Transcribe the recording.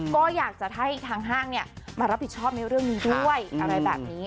ก็อยากจะให้ทางห้างมารับผิดชอบในเรื่องนี้ด้วยอะไรแบบนี้